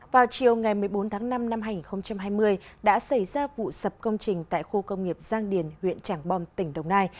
vào chiều ngày một mươi bốn tháng năm năm hai nghìn hai mươi đã xảy ra vụ sập công trình tại khu công nghiệp giang điền huyện trảng bom tỉnh đồng nai